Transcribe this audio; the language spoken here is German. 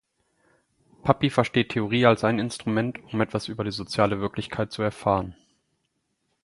Pappi versteht Theorie als ein Instrument, um etwas über die soziale Wirklichkeit zu erfahren.